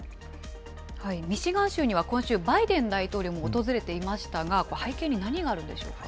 ミシガン州には今週、バイデン大統領も訪れていましたが、背景に何があるんでしょうか。